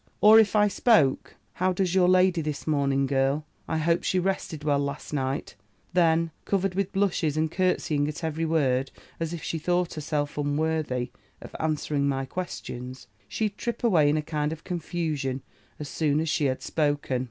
Or, if I spoke, 'How does your lady this morning, girl? I hope she rested well last night:' then, covered with blushes, and curtseying at every word, as if she thought herself unworthy of answering my questions, she'd trip away in a kind of confusion, as soon as she had spoken.